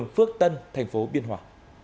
phước tân tp biên hòa